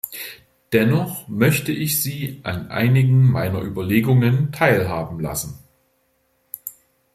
Dennoch möchte ich Sie an einigen meiner Überlegungen teilhaben lassen.